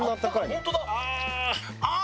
本当だ。